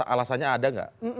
alasannya ada nggak